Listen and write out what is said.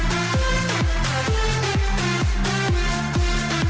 banyak ketika dibawa tangan